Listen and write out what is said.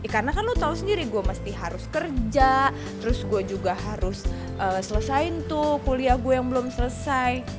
karena kan lo tau sendiri gue harus kerja terus gue juga harus selesain tuh kuliah gue yang belum selesai